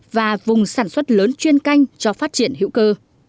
và vùng sản xuất lớn chuyên canh cho phát triển hữu cơ